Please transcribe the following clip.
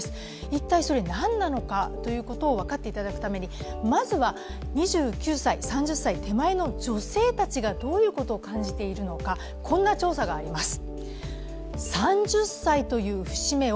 一体、なんなのかということを分かっていただくためにまずは２９歳、３０歳手前の女性たちがどういうことを感じているのか、こんな調査があります。